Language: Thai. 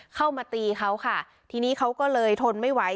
เข้ามาตีเขาค่ะทีนี้เขาก็เลยทนไม่ไหว